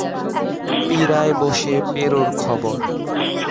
এটি প্রধানমন্ত্রীর কার্যালয় এর অধীনস্থ একটি বিভাগ।